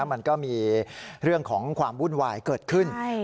มันก็มีเรื่องของความวุ่นวายเกิดขึ้น